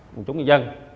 quần chúng người dân